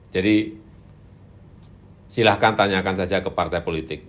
jadi silakan tanyakan saja ke partai politik